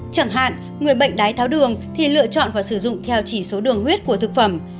chẳng hạn người bệnh đái tháo đường thì lựa chọn và sử dụng theo chỉ số đường huyết của thực phẩm